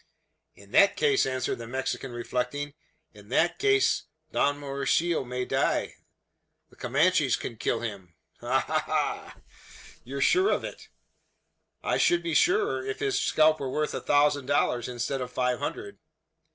"In that case," answered the Mexican reflecting! "in that case, Don Mauricio may die. The Comanches can kill him. Ha! ha! ha!" "You are sure of it?" "I should be surer, if his scalp were worth a thousand dollars, instead of five hundred."